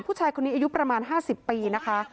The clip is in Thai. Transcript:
ผู้ชายคนนี้อายุประมาณ๕๐ปีนะคะ